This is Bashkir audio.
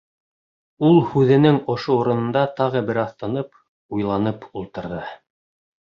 Ул һүҙенең ошо урынында тағы бер аҙ тынып, уйланып ултырҙы.